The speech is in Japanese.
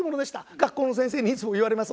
学校の先生にいつも言われます。